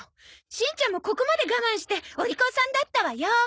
しんちゃんもここまで我慢してお利口さんだったわよ。